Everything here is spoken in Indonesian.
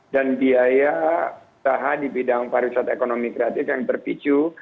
dan biaya usaha di bidang pariwisata ekonomi kreatif yang terpicu